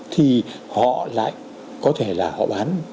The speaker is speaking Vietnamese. thì họ lại có thể là họ bán